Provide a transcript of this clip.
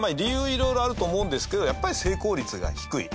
いろいろあると思うんですけどやっぱり成功率が低い。